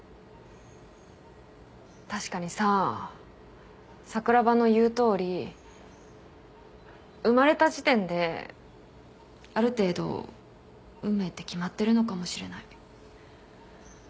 確かにさ桜庭の言うとおり生まれた時点である程度運命って決まってるのかもしれない。